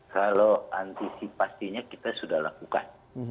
kalau antisipasinya kita sudah lakukan